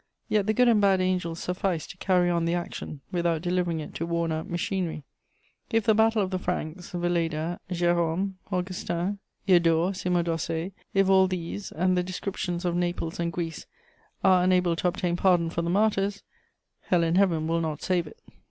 Yet the good and bad angels sufficed to carry on the action, without delivering it to worn out machinery. If the Battle of the Franks, Velléda, Jérôme, Augustin, Eudore, Cymodocée; if all these, and the descriptions of Naples and Greece, are unable to obtain pardon for the Martyrs, Hell and Heaven will not save it.